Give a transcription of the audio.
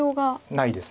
ないです。